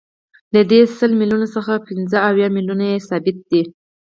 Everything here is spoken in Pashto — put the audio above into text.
له دې سل میلیونو څخه پنځه اویا میلیونه یې ثابته ده